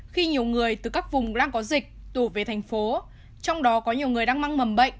khi nhiều người từ các vùng đang có dịch tù về thành phố trong đó có nhiều người đang mang mầm bệnh